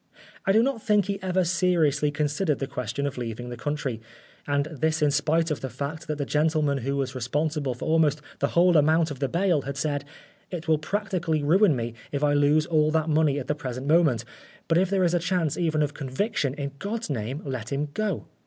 I do not think he ever seriously considered the question of leaving the country, and this in spite of the fact that the gentleman who was responsible for almost the whole amount of the bail had said, "It will practically ruin me if I lose all that money at the present moment, but if there is a chance even of conviction, in God's name let him go."